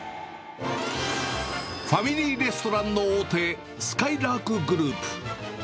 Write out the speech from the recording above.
ファミリーレストランの大手、すかいらーくグループ。